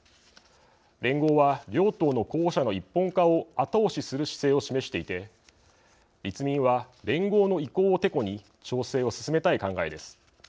連合は、両党の候補者の一本化を後押しする姿勢を示していて立民は、連合の意向をてこに調整を進めたい考えです。